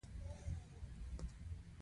هیلۍ د لمر وړانګو ته غېږه خلاصوي